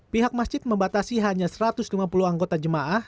pihak masjid membatasi hanya satu ratus lima puluh anggota jemaah